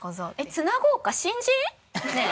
つなごうか？